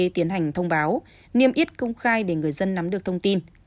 tiến hành thông báo niêm yết công khai để người dân nắm được thông tin